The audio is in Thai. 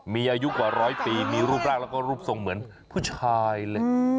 มีอายุกว่าร้อยปีมีรูปร่างแล้วก็รูปทรงเหมือนผู้ชายเลย